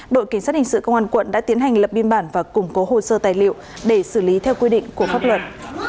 đội kiến sát hình sự công an quận đã tiến hành lập biên bản và củng cố hồ sơ tài liệu để xử lý theo quy định của pháp luật